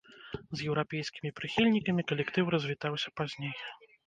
З еўрапейскімі прыхільнікамі калектыў развітаўся пазней.